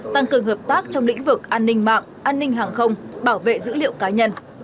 tăng cường hợp tác trong lĩnh vực an ninh mạng an ninh hàng không bảo vệ dữ liệu cá nhân